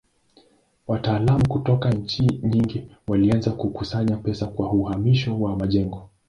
Wataalamu kutoka nchi nyingi walianza kukusanya pesa kwa uhamisho wa majengo.